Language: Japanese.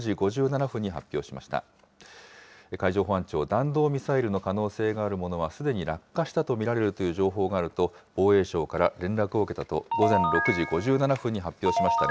弾道ミサイルの可能性があるものは、すでに落下したと見られるという情報があると、防衛省から連絡を受けたと、午前６時５７分に発表しました。